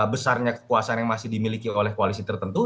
besarnya kekuasaan yang masih dimiliki oleh koalisi tertentu